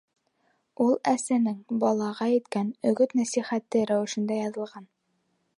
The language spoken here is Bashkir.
Ул әсәнең балаға әйткән өгөт-нәсихәте рәүешендә яҙылған.